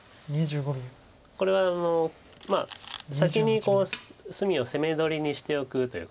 これは先に隅を攻め取りにしておくというか。